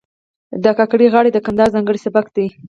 د کاکړۍ غاړې د کندهار ځانګړی سبک دی.